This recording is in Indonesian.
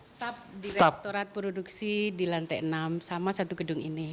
staf direktorat produksi di lantai enam sama satu gedung ini